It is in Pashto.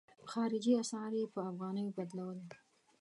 خارجي اسعار یې په افغانیو بدلول.